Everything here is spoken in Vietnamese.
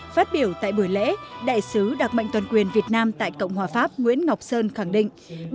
phát biểu tại buổi lễ đại sứ đặc mệnh toàn quyền việt nam tại cộng hòa pháp nguyễn ngọc sơn khẳng định